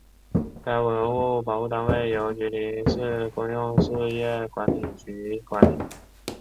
该文物保护单位由吉林市公用事业管理局管理。